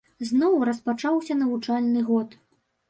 Зноў распачаўся навучальны год.